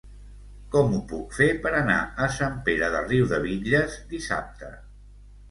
Com ho puc fer per anar a Sant Pere de Riudebitlles dissabte?